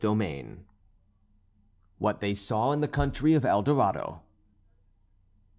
XVIII WHAT THEY SAW IN THE COUNTRY OF EL DORADO.